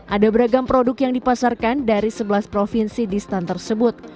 ada beragam produk yang dipasarkan dari sebelas provinsi di stand tersebut